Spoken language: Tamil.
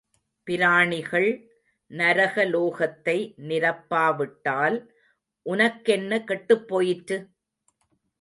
பிராணிகள், நரகலோகத்தை நிரப்பா விட்டால் உனக்கென்ன கெட்டுப் போயிற்று?